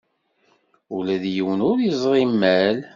Ula d yiwen ur yeẓri imal.